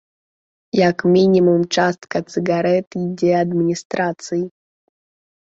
Як мінімум частка цыгарэт ідзе адміністрацыі.